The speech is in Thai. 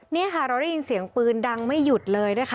นี่ค่ะเราได้ยินเสียงปืนดังไม่หยุดเลยนะคะ